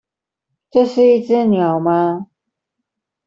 這是一隻鳥嗎？